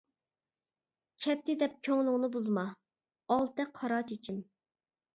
كەتتى دەپ كۆڭلۈڭنى بۇزما، ئالتە قارا چېچىم.